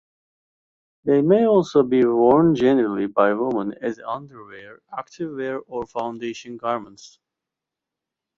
They may also be worn generally by women as underwear, activewear, or foundation garments.